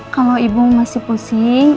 kalau ibu masih pusing